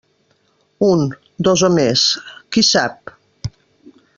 Un, dos o més, qui sap?